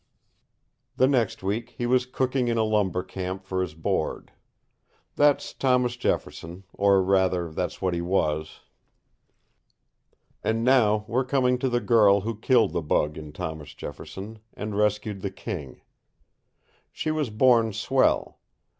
The next week he was cooking in a lumber camp for his board. That's Thomas Jefferson or, rather, that's what he was. And now we're coming to the girl who killed the bug in Thomas Jefferson and rescued the king. She was born swell.